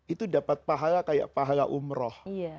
itu dapat pahala kayak pahala umroh